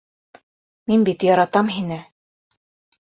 Мин бит яратам һине.